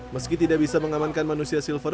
meski tidak bisa mengamankan manusia silver